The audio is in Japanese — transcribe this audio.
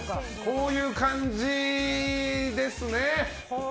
こういう感じですね。